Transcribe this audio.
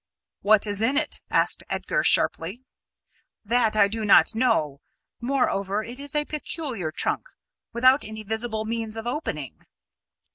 "What is in it?" asked Edgar sharply. "That I do not know. Moreover, it is a peculiar trunk, without any visible means of opening."